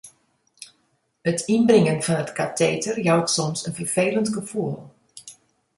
It ynbringen fan it kateter jout soms in ferfelend gefoel.